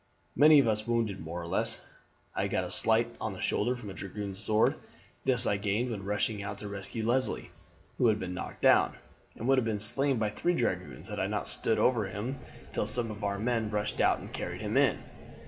"Many of us were wounded more or less. I had got a slice on the shoulder from a dragoon's sword. This I gained when rushing out to rescue Leslie, who had been knocked down, and would have been slain by three dragoons had I not stood over him till some of our men rushed out and carried him in.